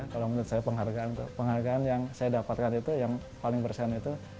kalau menurut saya penghargaan itu penghargaan yang saya dapatkan itu yang paling bersen itu